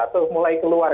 atau mulai keluar